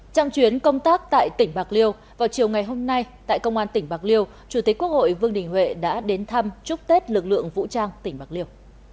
trong chuyến công tác tại tỉnh bạc liêu vào chiều ngày hôm nay tại công an tỉnh bạc liêu chủ tịch quốc hội vương đình huệ đã đến thăm chúc tết lực lượng vũ trang tỉnh bạc liêu